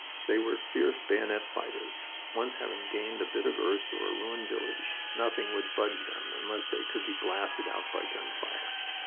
They were fierce bayonet fighters. Once having gained a bit of earth or a ruined village, nothing would budge them unless they could be blasted out by gun fire.